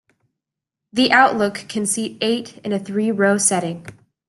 The Outlook can seat eight in a three-row setting.